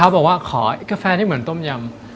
บอกว่าขอกาแฟที่เหมือนต้มยำ